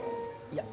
いや。